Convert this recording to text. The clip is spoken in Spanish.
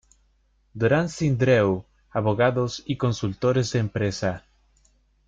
Durán-Sindreu Abogados y Consultores de Empresa.